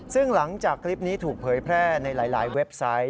ซึ่งหลังจากคลิปนี้ถูกเผยแพร่ในหลายเว็บไซต์